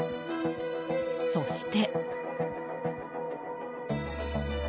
そして。